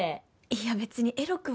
いや別にエロくは。